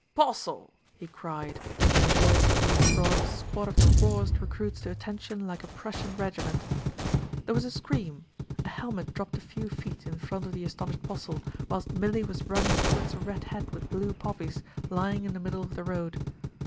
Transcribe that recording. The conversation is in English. "Postle!" he cried, in a voice that would have brought a squad of the rawest recruits to attention like a Prussian regiment. There was a scream, a helmet dropped a few feet in front of the astonished Postle, whilst Millie was running towards a red hat with blue poppies lying in the middle of the road.